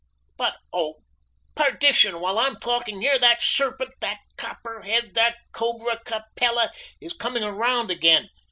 "But oh! perdition! while I am talking here that serpent! that copperhead! that cobra capella! is coming round again!